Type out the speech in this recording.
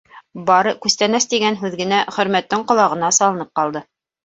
Бары «күстәнәс» тигән һүҙ генә Хөрмәттең ҡолағына салынып ҡалды.